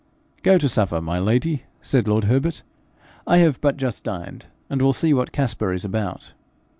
'Go to supper, my lady,' said lord Herbert. 'I have but just dined, and will see what Caspar is about.'